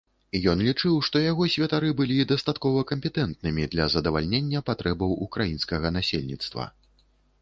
Ён лічыў, што яго святары былі дастаткова кампетэнтнымі для задавальнення патрэбаў украінскага насельніцтва.